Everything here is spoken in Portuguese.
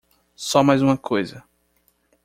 Só mais uma coisa.